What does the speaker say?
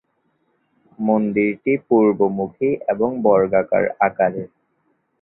মন্দিরটি পূর্বমুখী এবং বর্গাকার আকারের।